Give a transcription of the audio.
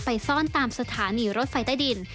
ซ่อนตามสถานีรถไฟใต้ดิน